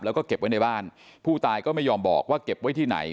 แล้วก็เก็บไว้ในบ้านผู้ตายก็ไม่ยอมบอกว่าเก็บไว้ที่ไหน